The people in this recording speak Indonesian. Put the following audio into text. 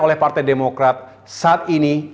oleh partai demokrat saat ini